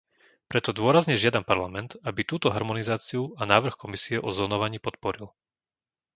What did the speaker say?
Preto dôrazne žiadam Parlament, aby túto harmonizáciu a návrh Komisie o zónovaní podporil.